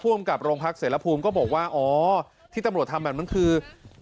อำกับโรงพักเสรภูมิก็บอกว่าอ๋อที่ตำรวจทำแบบนั้นคือ